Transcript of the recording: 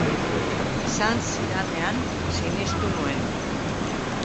Esan zidanean sinistu nuen.